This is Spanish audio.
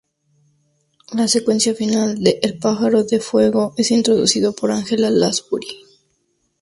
La secuencia final de El pájaro de fuego es introducido por Angela Lansbury.